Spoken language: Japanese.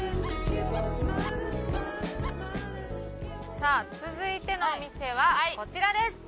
さあ続いてのお店はこちらです。